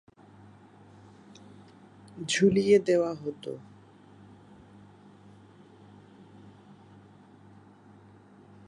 ঝুলিয়ে দেওয়া হতো।